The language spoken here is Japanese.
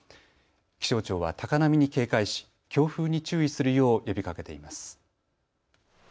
気象庁は高波に警戒し強風に注意するよう呼びかけています。